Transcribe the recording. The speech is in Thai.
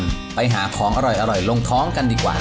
กันไปหาของอร่อยลงท้องกันดีกว่าครับ